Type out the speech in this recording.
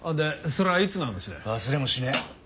忘れもしねえ。